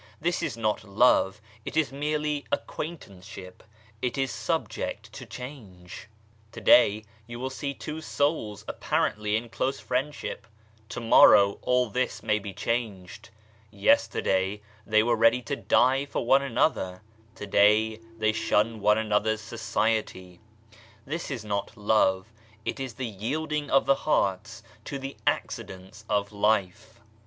This is not love, it is merely acquaintanceship ; it is subject to change. To day you will see two souls apparently in close friendship ; to morrow all this may be changed. Yester day they were ready to die for one another, to day they shun one another's society ! This is not love ; it is the yielding of the hearts to the accidents of life.